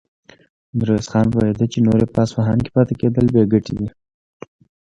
ميرويس خان پوهېده چې نور يې په اصفهان کې پاتې کېدل بې ګټې دي.